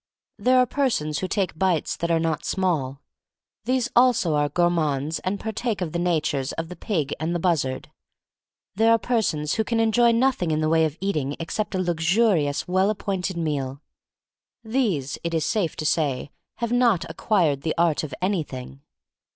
There are persons who take bites that are not small. These also are gourmands and partake of the natures of the pig and the buzzard. There are persons who can enjoy nothing in the way of eating except a luxurious, well appointed meal. These, it is safe to say, have not acquired the art of anything.